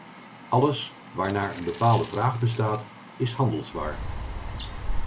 Alles waarnaar een bepaalde vraag bestaat is handelswaar.